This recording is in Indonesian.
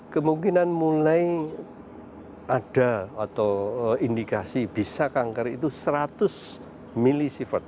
kemungkinan mulai ada atau indikasi bisa kanker itu seratus milisievert